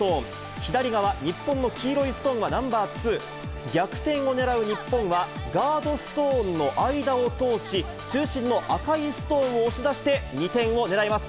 左側、日本の黄色いストーンはナンバーツー、逆転を狙う日本は、ガードストーンの間を通し、中心の赤いストーンを押し出して、２点をねらいます。